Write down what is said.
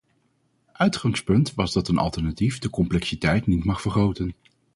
Uitgangspunt was dat een alternatief de complexiteit niet mag vergroten.